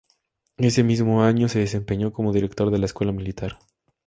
Ese mismo año se desempeñó como director de la Escuela Militar.